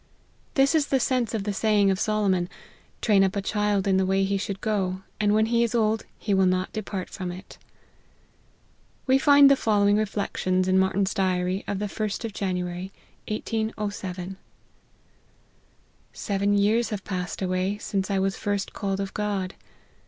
This is the sense of the saying of Solomon " Train up a child in the way he should go, and when he is old he will not depart from it." We find the following reflections in Martyn's diary of the 1st of January, 1807 :" Seven years have passed away since I was first called of God.